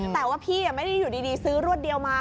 แต่ว่าพี่ไม่ได้อยู่ดีซื้อรวดเดียวมา